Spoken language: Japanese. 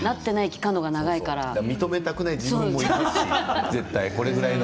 認めたくない自分もいますよね。